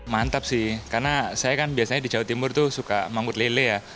mantap sih karena saya kan biasanya di jawa timur tuh suka manggut lele ya